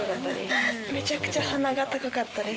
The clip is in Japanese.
めちゃくちゃ鼻が高かったです。